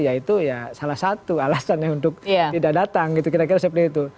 ya itu ya salah satu alasannya untuk tidak datang gitu kira kira seperti itu